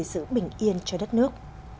công việc gia đình phải giữ bình yên cho đất nước